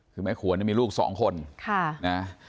คือแม่ขวนมีลูกสองคนนะ